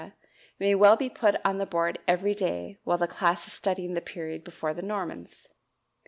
may well be put on the board every day while the class is studying the period before the Normans.